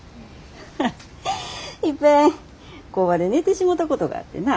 いっぺん工場で寝てしもたことがあってな。